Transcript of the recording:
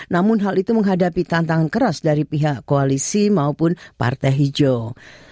namun hal itu menghadapi tantangan keras dari pihak koalisi maupun partai hijau